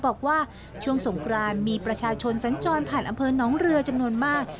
บอกว่าช่วงสงกรานมีประชาชนสัญจรผ่านอำเภอน้องเรือจำนวนมาก